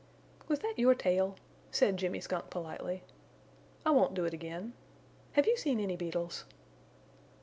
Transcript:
"Was that your tail?" said Jimmy Skunk, politely. "I won't do it again. Have you seen any beetles?"